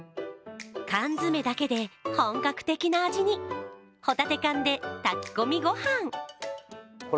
缶詰だけで本格的な味に、ホタテ缶で炊き込みご飯。